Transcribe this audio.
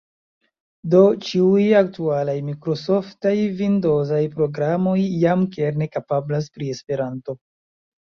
Do ĉiuj aktualaj mikrosoftaj vindozaj programoj jam kerne kapablas pri Esperanto.